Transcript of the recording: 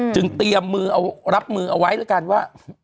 จึงเตรียมมือเอารับมือเอาไว้แล้วกันว่า